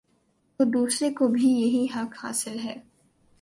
تو دوسرے کو بھی یہ حق حاصل ہے۔